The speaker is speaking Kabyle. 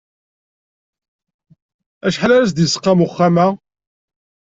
Acḥal ara s-d-isqam uxxam-a?